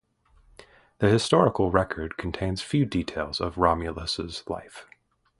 The historical record contains few details of Romulus's life.